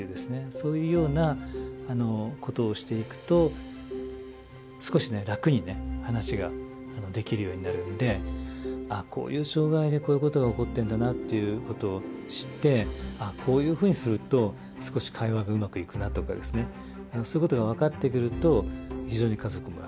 そういうようなことをしていくと少しね楽にね話ができるようになるんであこういう障害でこういうことが起こってんだなっていうことを知ってこういうふうにすると少し会話がうまくいくなとかですねそういうことが分かってくると非常に家族も楽。